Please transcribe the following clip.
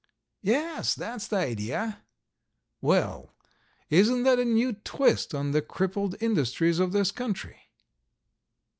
"Yes, that's the idea." "Well, isn't that a new twist on the crippled industries of this country?"